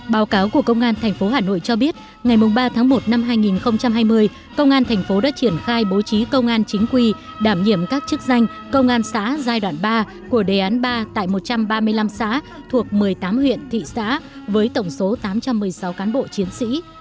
báo cáo của công an tp hà nội cho biết ngày ba tháng một năm hai nghìn hai mươi công an thành phố đã triển khai bố trí công an chính quy đảm nhiệm các chức danh công an xã giai đoạn ba của đề án ba tại một trăm ba mươi năm xã thuộc một mươi tám huyện thị xã với tổng số tám trăm một mươi sáu cán bộ chiến sĩ